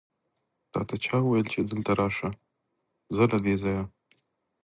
تاته چا وويل چې دلته راشه؟ ځه له دې ځايه!